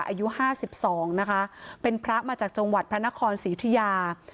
อายุห้าสิบสองนะคะเป็นพระมาจากจังหวัดพระนครศรีอุทิยา